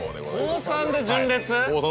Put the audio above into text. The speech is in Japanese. えっ高３で純烈？